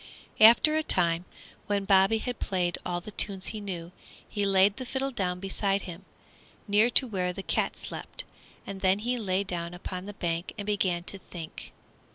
After a time, when Bobby had played all the tunes he knew, he laid the fiddle down beside him, near to where the cat slept, and then he lay down upon the bank and began to think.